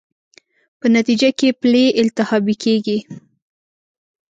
په نتېجه کې پلې التهابي کېږي.